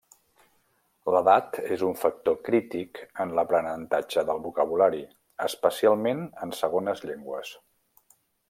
L'edat és un factor crític en l'aprenentatge del vocabulari, especialment en segones llengües.